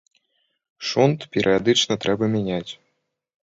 Шунт перыядычна трэба мяняць.